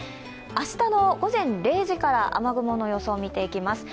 明日の午前０時から雨雲の予想を見ていきます。